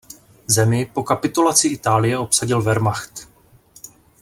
Zemi po kapitulaci Itálie obsadil Wehrmacht.